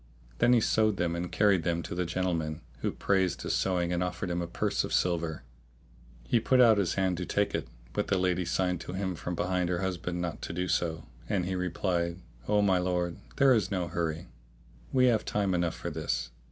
Then he sewed them and carried them to the gentleman, who praised his sewing and offered him a purse of silver. He put out his hand to take it, but the lady signed to him from behind her husband not to do so, and he replied, "O my lord, there is no hurry, we have time enough for this."